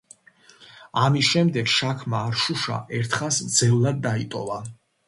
ამის შემდეგ შაჰმა არშუშა ერთხანს მძევლად დაიტოვა.